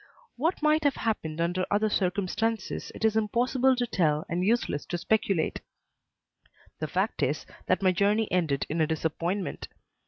What might have happened under other circumstances it is impossible to tell and useless to speculate; the fact is that my journey ended in a disappointment.